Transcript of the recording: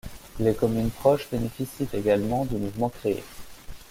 Les communes proches bénéficient également du mouvement créé.